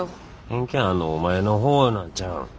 偏見あんのお前の方なんちゃうん。